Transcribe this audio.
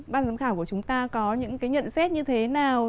ban giám khảo của chúng ta có những cái nhận xét như thế nào